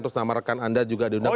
terus nama rekan anda juga diundangkan